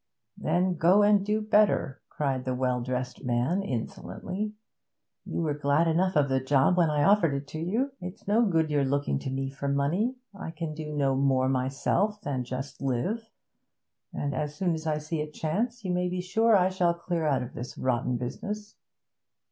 'Then go and do better,' cried the well dressed man insolently. 'You were glad enough of the job when I offered it to you. It's no good your looking to me for money. I can do no more myself than just live; and as soon as I see a chance, you may be sure I shall clear out of this rotten business.'